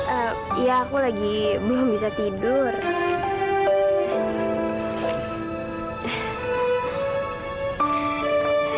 eh ya aku lagi belum bisa tidur